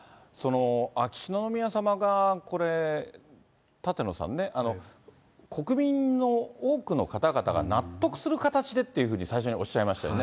秋篠宮さまがこれ、舘野さんね、国民の多くの方々が納得する形でっていうふうに最初におっしゃいましたよね。